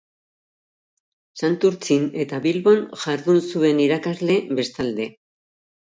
Santurtzin eta Bilbon jardun zuen irakasle, bestalde.